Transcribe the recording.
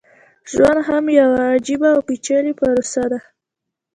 ژوند هم يوه عجيبه او پېچلې پروسه ده.